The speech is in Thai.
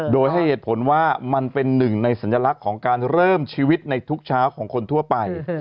โดยให้เหตุผลว่ามันเป็นหนึ่งในสัญลักษณ์ของการเริ่มชีวิตในทุกเช้าของคนทั่วไป